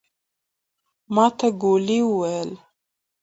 ماته ګولي وويلې.